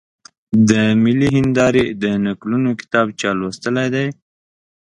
د ملي هېندارې د نکلونو کتاب چا لوستلی دی؟